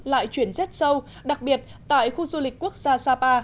lại chuyển rất sâu đặc biệt tại khu du lịch quốc gia sapa